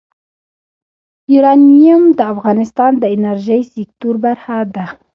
یورانیم د افغانستان د انرژۍ سکتور برخه ده.